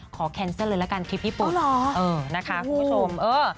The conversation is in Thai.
ขอแคนเซลเลยแล้วกันคลิปญี่ปุ่นเออนะคะคุณผู้ชม